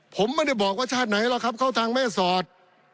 ผมไม่ได้บอกว่าชาติไหนหรอกครับเข้าทางแม่สอด